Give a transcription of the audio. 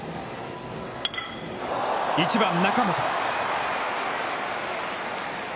１番中本。